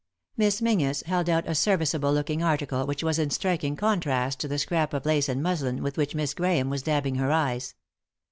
Miss Menzies held out a serviceable looking article which was in striking contrast to the scrap of lace and muslin with which Miss Grahame was dabbing her eyes.